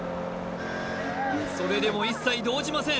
それでも一切動じません